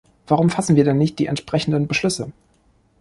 Warum fassen wir denn nicht die entsprechenden Beschlüsse?